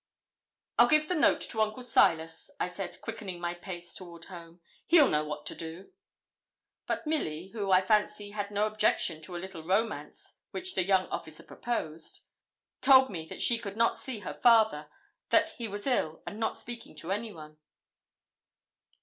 'I'll give the note to Uncle Silas,' I said, quickening my pace toward home; 'he'll know what to do.' But Milly, who, I fancy, had no objection to the little romance which the young officer proposed, told me that she could not see her father, that he was ill, and not speaking to anyone.